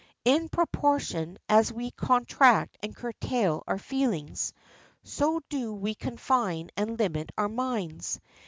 In proportion as we contract and curtail our feelings, so do we confine and limit our minds.